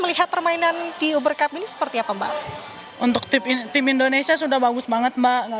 melihat permainan di uber cup ini seperti apa mbak untuk tim indonesia sudah bagus banget mbak